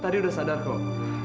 tadi udah sadar kok